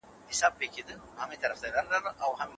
دغه ډول طلاق ته کوم طلاق ويل کيږي؟